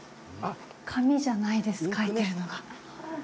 紙じゃないです、描いているのが。